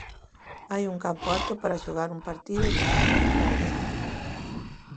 Hai un campo apto para xogar un partido e por suposto para adestrar.